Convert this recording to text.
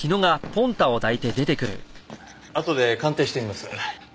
あとで鑑定してみます。